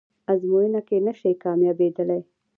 ازموینه کې نشئ کامیابدلی